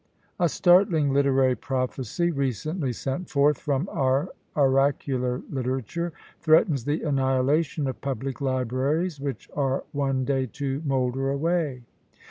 A startling literary prophecy, recently sent forth from our oracular literature, threatens the annihilation of public libraries, which are one day to moulder away!